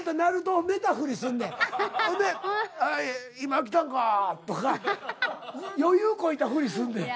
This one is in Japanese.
ほんで「今来たんか」とか余裕こいたふりするねん。